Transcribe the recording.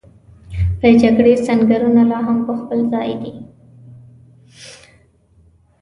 د جګړې سنګرونه لا هم په خپل ځای دي.